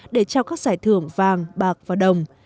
để trao các giải thưởng vàng bạc và đồng